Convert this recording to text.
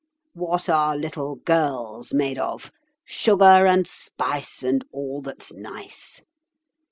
'What are little girls made of? Sugar and spice and all that's nice.